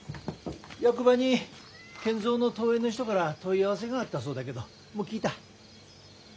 役場に賢三の遠縁の人から問い合わせがあったそうだけどもう聞いた？